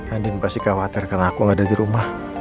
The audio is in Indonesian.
andin pasti khawatir karena aku gak ada dirumah